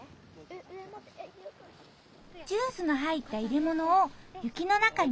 ジュースの入った入れ物を雪の中に置くよ。